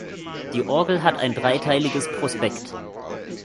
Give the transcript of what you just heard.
Die Orgel hat ein dreiteiliges Prospekt.